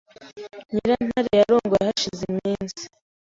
Nyirantare yarongowe Hashize iminsi